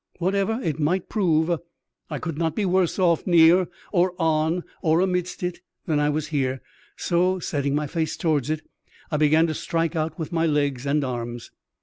Whatever it might prove, I could not be worse oflf near or on or amidst it than I was here ; so, setting my face towards it, I began to strike out with my legs and arms.